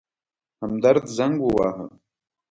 همدرد زنګ وواهه.